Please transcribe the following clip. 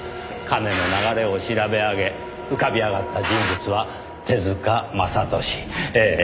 金の流れを調べ上げ浮かび上がった人物は手塚正敏ええ